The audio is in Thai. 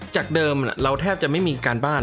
จากเดิมเราแทบจะไม่มีการบ้าน